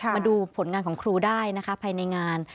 มาดูผลงานของครูได้นะคะภายในงาน